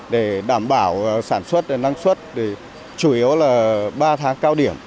để đảm bảo sản xuất năng suất thì chủ yếu là ba tháng cao điểm